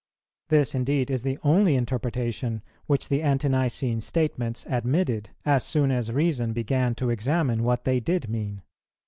This indeed is the only interpretation which the Ante nicene statements admitted, as soon as reason began to examine what they did mean.